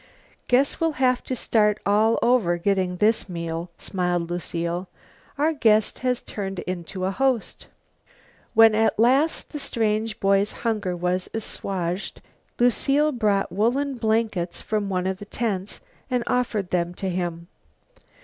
"Guess we'll have to start all over getting this meal," smiled Lucile; "our guest has turned into a host." When at last the strange boy's hunger was assuaged, Lucile brought two woolen blankets from one of the tents and offered them to him.